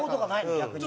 逆に。